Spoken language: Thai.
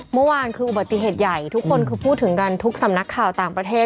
เมื่อวานคืออุบัติเหตุใหญ่ทุกคนคือพูดถึงกันทุกสำนักข่าวต่างประเทศ